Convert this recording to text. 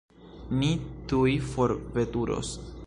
Ni tuj forveturos.